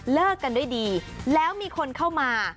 เลิกกันด้วยดีแล้วมีคนเข้ามา